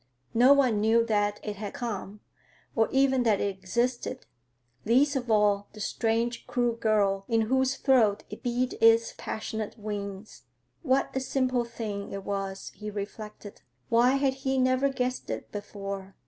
No one knew that it had come, or even that it existed; least of all the strange, crude girl in whose throat it beat its passionate wings. What a simple thing it was, he reflected; why had he never guessed it before?